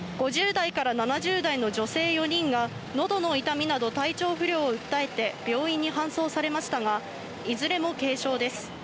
５０代から７０代の女性４人がのどの痛みなど、体調不良を訴えて病院に搬送されましたが、いずれも軽傷です。